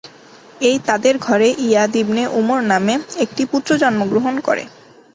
এই তাদের ঘরে ইয়াদ ইবনে উমর নামে একটি পুত্র জন্মগ্রহণ করে।